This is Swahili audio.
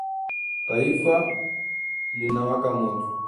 Taifa linawaka moto